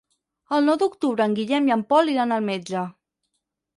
El nou d'octubre en Guillem i en Pol iran al metge.